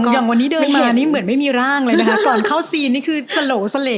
อย่างวันนี้เดินมานี่เหมือนไม่มีร่างเลยนะคะก่อนเข้าซีนนี่คือสโหลเสล่